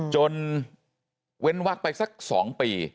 เว้นวักไปสัก๒ปี